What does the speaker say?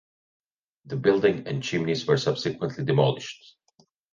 The buildings and chimneys were subsequently demolished.